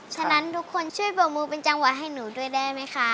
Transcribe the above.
ฉะนั้นทุกคนช่วยโบกมือเป็นจังหวะให้หนูด้วยได้ไหมคะ